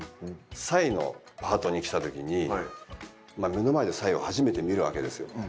サイのパートに来たときに目の前でサイを初めて見るわけですよ。